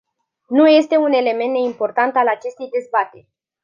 Nu este un element neimportant al acestei dezbateri.